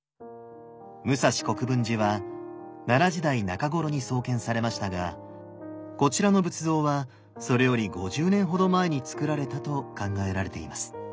武蔵国分寺は奈良時代中頃に創建されましたがこちらの仏像はそれより５０年ほど前につくられたと考えられています。